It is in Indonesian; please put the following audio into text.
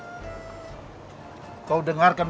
kau dengarkan baik baik pernikahan itu adalah sesuatu yang sakral